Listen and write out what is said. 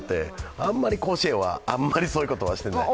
あんまり甲子園は、そういうことはしていない。